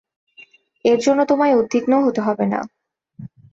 এর জন্য তোমায় উদ্বিগ্ন হতে হবে না।